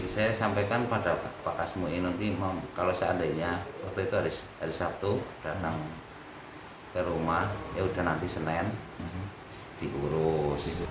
saya sampaikan pada pak kasmui nanti kalau seandainya hari sabtu datang ke rumah yaudah nanti senin diurus